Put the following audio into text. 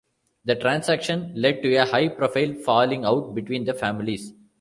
The transaction led to a high profile falling out between the families.